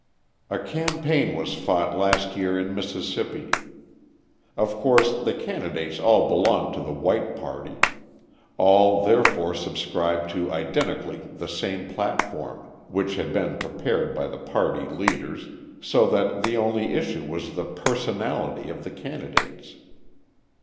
A campaign was fought last year in Mississippi. Of course the candidates all belonged to the white party; all therefore subscribed to identically the same platform which had been prepared by the party leaders so that the only issue was the personality of the candidates.